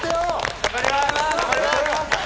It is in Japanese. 頑張ります。